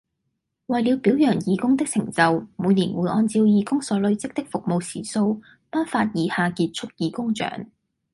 為了表揚義工的成就，每年會按照義工所累積的服務時數，頒發以下傑出義工獎